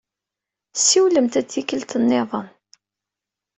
Siwlemt-d tikkelt-nniḍen.